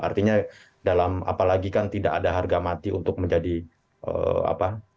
artinya dalam apalagi kan tidak ada harga mati untuk menjadi apa